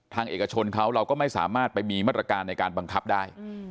เอกชนเขาเราก็ไม่สามารถไปมีมาตรการในการบังคับได้